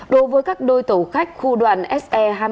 đối với các bộ khách thống nhất